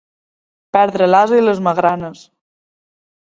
Perdre l'ase i les magranes.